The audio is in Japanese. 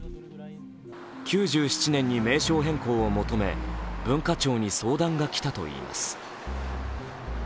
９７年に名称変更を求め文化庁に相談が来たといいます。